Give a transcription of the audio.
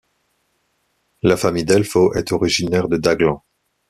La famille Delfau est originaire de Daglan.